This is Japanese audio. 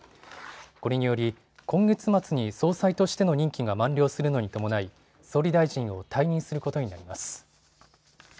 これにより今月末に総裁としての任期が満了するのに伴い総理大臣を退任することになります。